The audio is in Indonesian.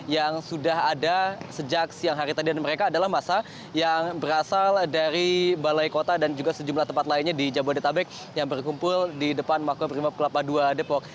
yang sudah ada sejak siang hari tadi dan mereka adalah masa yang berasal dari balai kota dan juga sejumlah tempat lainnya di jabodetabek yang berkumpul di depan makobrimob kelapa ii depok